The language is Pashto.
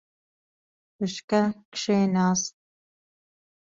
په شګه کښېناست.